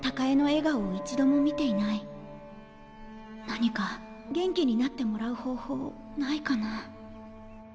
何か元気になってもらう方法ないかな。